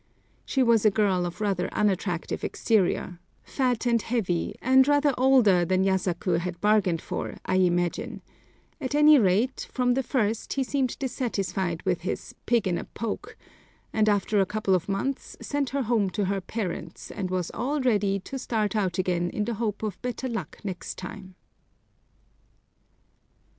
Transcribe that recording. She was a girl of rather unattractive exterior, fat and heavy, and rather older than Yasaku had bargained for, I imagine; at any rate, from the first, he seemed dissatisfied with his "pig in a poke," and after a couple of months sent her home to her parents, and was all ready to start out again in the hope of better luck next time.